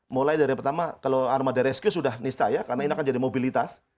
mulai dari pertama kalau armada rescue sudah nisah ya karena ini akan jadi mobilitas